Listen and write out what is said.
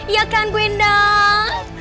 ya kan bu endang